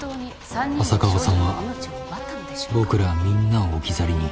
浅川さんは僕らみんなを置き去りに。